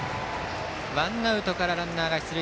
ワンアウトからランナー出塁。